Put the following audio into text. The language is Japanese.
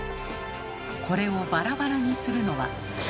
これをバラバラにするのは。